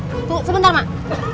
tunggu sebentar mak